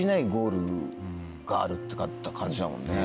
があるって感じだもんね。